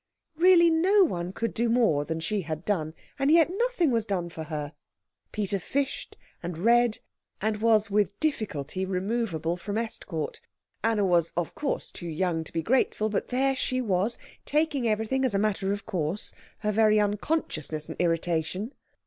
Really no one could do more than she had done, and yet nothing was done for her. Peter fished, and read, and was with difficulty removable from Estcourt. Anna was, of course, too young to be grateful, but there she was, taking everything as a matter of course, her very unconsciousness an irritation.